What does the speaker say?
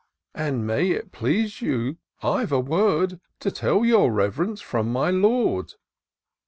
" An may it please you, I've a word To tell your Rev'rence, from my Lord."